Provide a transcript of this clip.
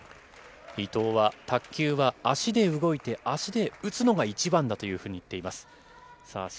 伊藤は、卓球は足で動いて、足で打つのが一番だというふうに言っています。